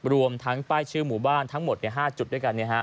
รวมทั้งป้ายชื่อหมู่บ้านทั้งหมด๕จุดด้วยกัน